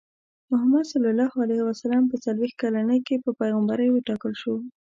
محمد ص په څلوېښت کلنۍ کې په پیغمبرۍ وټاکل شو.